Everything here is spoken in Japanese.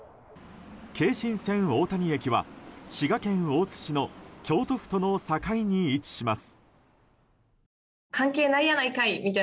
京津線大谷駅は、滋賀県大津市の京都府との境に位置します。